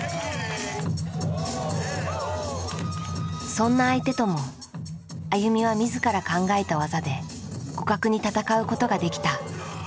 そんな相手ともＡＹＵＭＩは自ら考えた技で互角に戦うことができた。